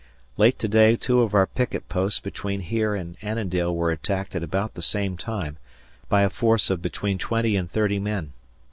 Late to day two of our picket posts between here and Annandale were attacked at about the same time by a force of between twenty and thirty men.